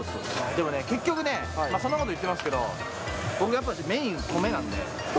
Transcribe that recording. でもね、結局ね、そんなこと言ってますけど、僕やっぱり、メイン米なんで。